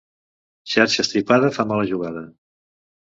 Xarxa estripada fa mala jugada.